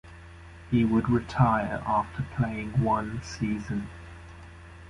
He would retire after playing one season.